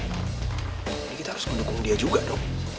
kita harus mendukung dia juga dong